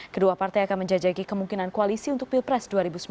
kedua partai akan menjajaki kemungkinan koalisi untuk pilpres dua ribu sembilan belas